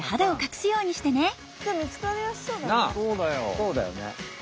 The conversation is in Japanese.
そうだよね。